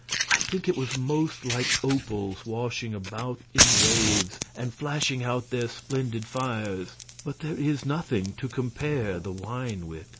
I think it was most like opals washing about in waves and flashing out their splendid fires. But there is nothing to compare the wine with.